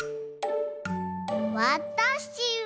わたしは。